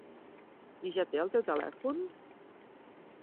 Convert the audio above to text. I ja té el teu telèfon?